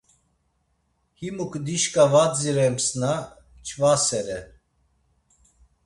Himuk dişka var dzirems na ç̆vasere.